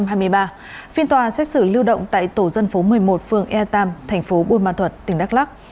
phiên tòa xét xử lưu động tại tổ dân phố một mươi một phường e tám thành phố buôn ma thuật tỉnh đắk lắc